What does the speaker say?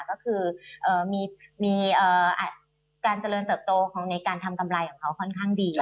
ก็คือมีการเจริญเติบโตของในการทำกำไรของเขาค่อนข้างดี